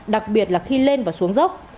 đặc biệt là khi lên và xuống dốc